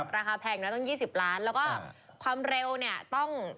แพงนะต้อง๒๐ล้านแล้วก็ความเร็วเนี่ยต้อง